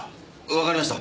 わかりました。